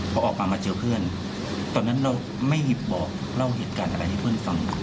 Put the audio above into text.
เราออกมาเจอเพื่อนตอนนั้นเราไม่บอกเล่าเหตุการณ์ที่เพื่อนฟัง